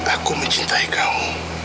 aku mencintai kamu